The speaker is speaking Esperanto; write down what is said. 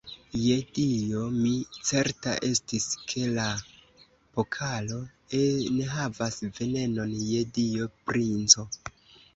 Je Dio, mi certa estis, ke la pokalo enhavas venenon, je Dio, princo!